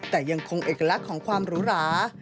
แต่ยังคงเอกลักษณ์ของความหรูหรา